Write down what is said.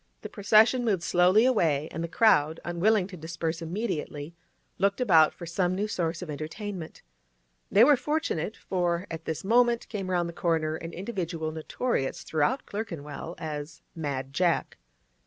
The procession moved slowly away, and the crowd, unwilling to disperse immediately, looked about for some new source of entertainment. They were fortunate, for at this moment came round the corner an individual notorious throughout Clerkenwell as 'Mad Jack.